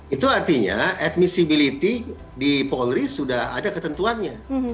itu artinya admissibility di polri sudah ada ketentuannya